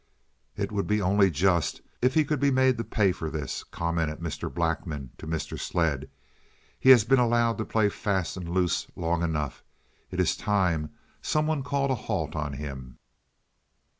"It would be only just if he could be made to pay for this," commented Mr. Blackman to Mr. Sledd. "He has been allowed to play fast and loose long enough. It is time some one called a halt on him."